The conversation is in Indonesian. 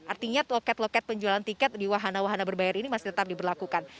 artinya loket loket penjualan tiket di wahana wahana berbayar ini masih tetap diberlakukan